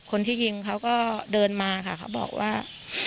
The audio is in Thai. คนที่ยิงเขาก็เดินมาค่ะเขาบอกว่า